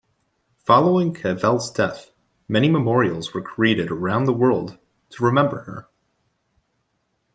Following Cavell's death, many memorials were created around the world to remember her.